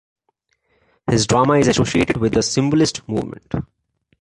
His drama is associated with the Symbolist movement.